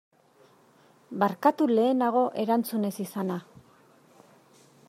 Barkatu lehenago erantzun ez izana.